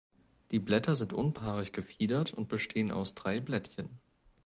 Die Blätter sind unpaarig gefiedert und bestehen aus drei Blättchen.